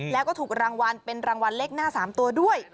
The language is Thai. แล้วก็ถูกรางวัลเป็นรางวัลเลขหน้า๓ตัวด้วย